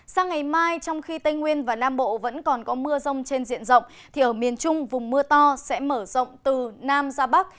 sang ngày mai trong khi tây nguyên và nam bộ vẫn còn có mưa rông trên diện rộng thì ở miền trung vùng mưa to sẽ mở rộng từ nam ra bắc